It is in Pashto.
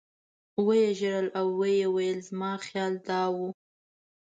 و یې ژړل او ویې ویل زما خیال دا و.